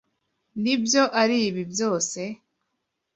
Nibyo aribi byose?